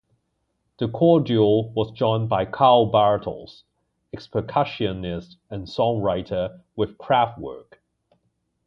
The core duo was joined by Karl Bartos, ex-percussionist and songwriter with Kraftwerk.